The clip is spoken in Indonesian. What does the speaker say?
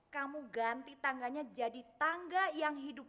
kamu ganti tangganya jadi tangga yang hidup